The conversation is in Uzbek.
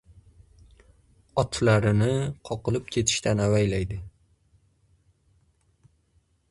Otlarini qoqilib ketishdan avaylaydi.